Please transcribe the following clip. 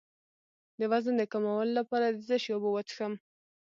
د وزن د کمولو لپاره د څه شي اوبه وڅښم؟